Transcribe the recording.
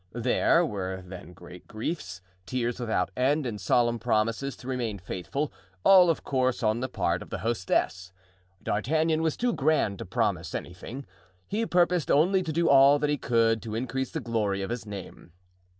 There were then great griefs, tears without end and solemn promises to remain faithful—all of course on the part of the hostess. D'Artagnan was too grand to promise anything; he purposed only to do all that he could to increase the glory of his name.